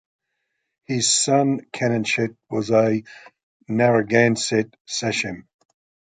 His son Canonchet was a Narragansett sachem.